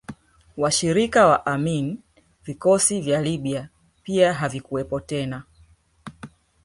Washirika wa Amin vikosi vya Libya pia havikuwepo tena